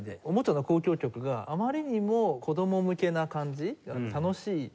『おもちゃの交響曲』があまりにも子ども向けな感じ楽しい。